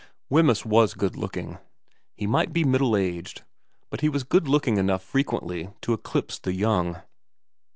Wemyss was good looking. He might be middle aged, but he was good looking enough frequently to eclipse the young.